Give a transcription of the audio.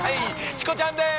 チコちゃんです。